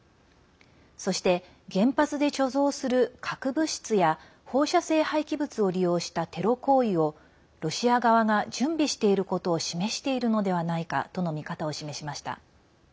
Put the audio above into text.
そして、原発で貯蔵する核物質や放射性廃棄物を利用したテロ行為をロシア側が準備していることを示しているのではないかとの見方を示しました。